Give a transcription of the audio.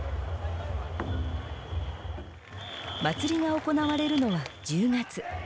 祭りが行われるのは１０月。